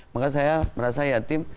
maka saya merasa yatim